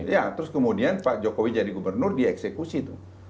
ya terus kemudian pak jokowi jadi gubernur dia eksekusi tuh